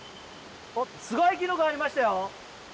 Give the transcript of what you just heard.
すごいきのこありましたよ！